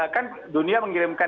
kan dunia mengirimkan